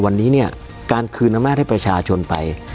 วันนี้เนี่ยการคืนอำนาจให้ประชาชนไป